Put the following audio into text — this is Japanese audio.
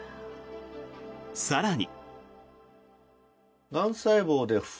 更に。